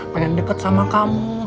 pengen deket sama kamu